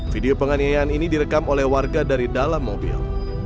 video penganiayaan ini direkam oleh warga dari dalam mobil